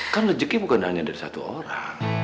kan rezeki bukan hanya dari satu orang